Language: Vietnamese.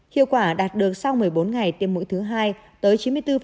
hiệu quả đạt được sau một mươi bốn ngày tiêm mũi thứ hai tới chín mươi bốn